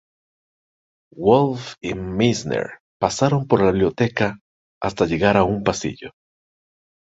Wolfe y Meisner pasaron por la biblioteca hasta llegar a un pasillo.